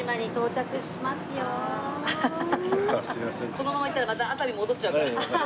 このまま行ったらまた熱海戻っちゃうから。